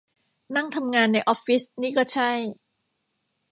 นั่งทำงานในออฟฟิศนี่ก็ใช่